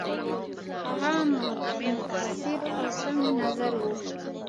هغه متعصب او تنګ نظر وو.